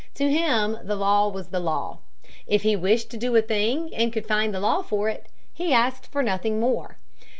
To him the law was the law. If he wished to do a thing and could find the law for it, he asked for nothing more.